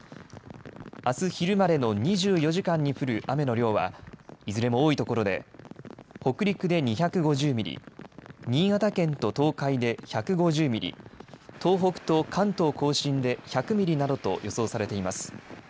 あす昼までの２４時間に降る雨の量はいずれも多いところで北陸で２５０ミリ、新潟県と東海で１５０ミリ、東北と関東甲信で１００ミリなどと予想されています。